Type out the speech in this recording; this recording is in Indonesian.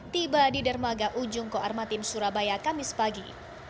tiba di dermaga ujung koarmatim surabaya kamis pagi